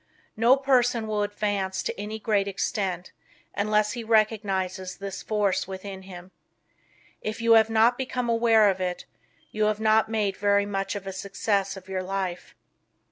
No person will advance to any great extent, until he recognizes this force within him. If you have not become aware of it, you have not made very much of a success of your life.